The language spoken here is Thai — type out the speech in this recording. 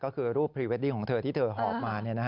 ก็คือรูปพรีเวดดิ้งของเธอที่เธอหอบมา